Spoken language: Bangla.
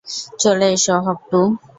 চলে এসো হক-টু।